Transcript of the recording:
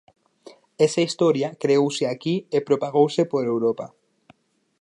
Esa historia creouse aquí e propagouse por Europa.